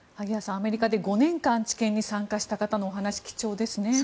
アメリカで５年間治験に参加した方のお話は貴重ですね。